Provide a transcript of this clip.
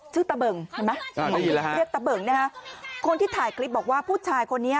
ชื่อตะเบิ่งเห็นไหมชื่อตะเบิ่งเนี่ยคะคนที่ถ่ายคลิปบอกว่าผู้ชายคนนี้